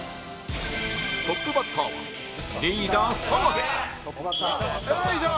トップバッターはリーダー澤部よいしょ！